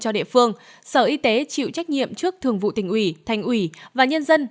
cho địa phương sở y tế chịu trách nhiệm trước thường vụ tỉnh ủy thành ủy và nhân dân